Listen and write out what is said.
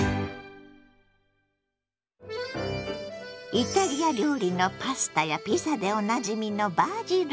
イタリア料理のパスタやピザでおなじみのバジル。